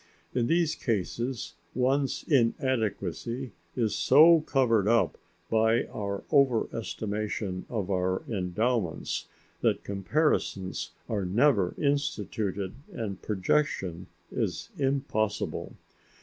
In these cases one's inadequacy is so covered up by our over estimation of our endowments that comparisons are never instituted and projection is impossible.